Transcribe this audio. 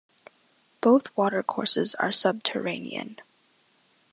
Both watercourses are subterranean.